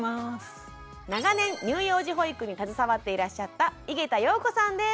長年乳幼児保育に携わっていらっしゃった井桁容子さんです。